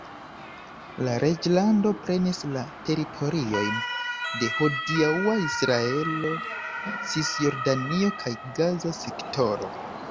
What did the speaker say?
La reĝlando prenis la teritoriojn de hodiaŭa Israelo, Cisjordanio kaj Gaza Sektoro.